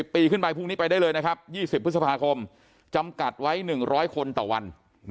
ปีขึ้นไปพรุ่งนี้ไปได้เลยนะครับ๒๐พฤษภาคมจำกัดไว้๑๐๐คนต่อวัน